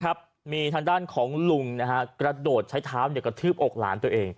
มีทางด้านของลุงนะฮะกระโดดใช้เท้ากระทืบอกหลานตัวเอง